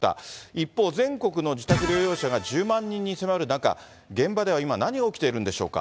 一方、全国の自宅療養者が１０万人に迫る中、現場では今、何が起きているんでしょうか。